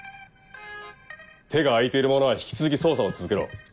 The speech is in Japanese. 手が空いている者は引き続き捜査を続けろ。